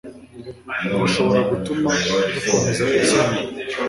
bishobora gutuma dukomeza gutsinda